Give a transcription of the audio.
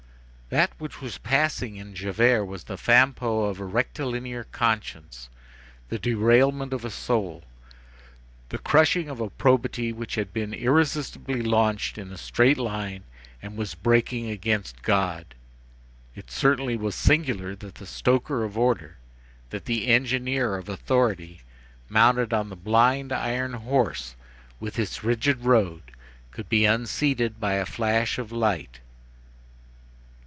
That which was passing in Javert was the Fampoux of a rectilinear conscience, the derailment of a soul, the crushing of a probity which had been irresistibly launched in a straight line and was breaking against God. It certainly was singular that the stoker of order, that the engineer of authority, mounted on the blind iron horse with its rigid road, could be unseated by a flash of light!